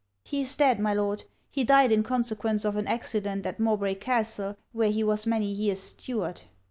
'He is dead, my Lord. He died in consequence of an accident at Mowbray Castle, where he was many years steward.'